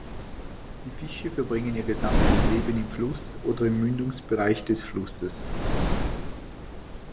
Die Fische verbringen ihr gesamtes Leben im Fluss oder im Mündungsbereich des Flusses.